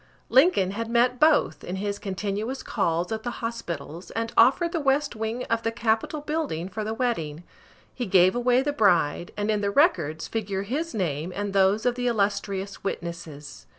Lincoln had met both, in his continuous calls at the hospitals, and offered the west wing of the Capitol building for the wedding. He gave away the bride, and in the records figure his name and those of the illustrious witnesses.